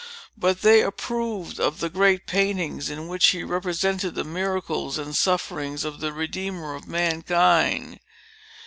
But they approved of the great paintings in which he represented the miracles and sufferings of the Redeemer of Mankind.